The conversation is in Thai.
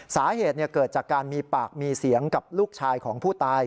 สาเหตุเกิดจากการมีปากมีเสียงกับลูกชายของผู้ตาย